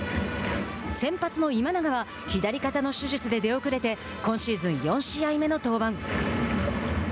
先発の今永は左肩の手術で出遅れて今シーズン４試合目の登板。